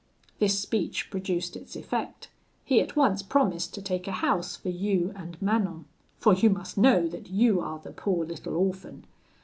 This speech produced its effect, he at once promised to take a house for you and Manon, for you must know that you are the poor little orphan.